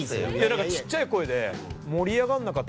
なんかちっちゃい声で。